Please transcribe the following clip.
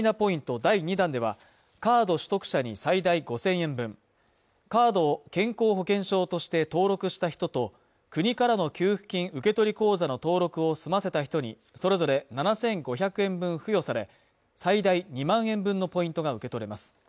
第２弾ではカード取得者に最大５０００円分カードを健康保険証として登録した人と国からの給付金受取口座の登録を済ませた人にそれぞれ７５００円分付与され最大２万円分のポイントが受け取れます